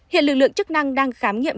hiện lực lượng chức năng đang khám nghiệm